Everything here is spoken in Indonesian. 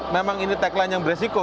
memang ini tagline yang beresiko